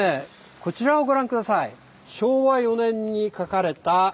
こちらをご覧下さい。